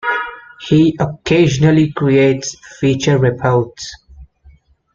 He occasionally creates feature reports.